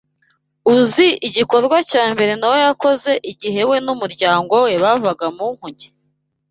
UZI igikorwa cya mbere Nowa yakoze igihe we n’umuryango we bavaga mu nkuge?